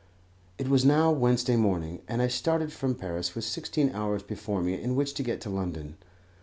It was now Wednesday morning, and I started from Paris with sixteen hours before me in which to get to London.